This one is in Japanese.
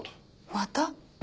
また？